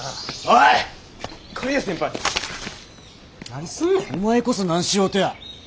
お前こそ何しようとや。